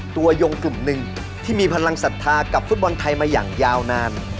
ยงกลุ่มหนึ่งที่มีพลังศรัทธากับฟุตบอลไทยมาอย่างยาวนาน